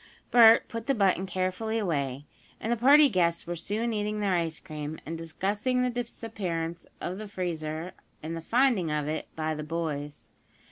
Bert put the button carefully away, and the party guests were soon eating their ice cream, and discussing the disappearance of the freezer and the finding of it by the boys.